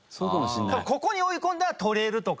ここに追い込んだらとれるとか。